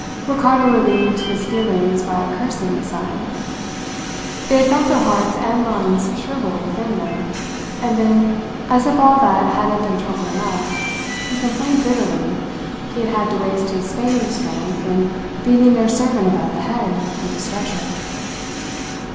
Ricardo relieved his feelings by cursing the sun. They had felt their hearts and lungs shrivel within them. And then, as if all that hadn't been trouble enough, he complained bitterly, he had had to waste his fainting strength in beating their servant about the head with a stretcher.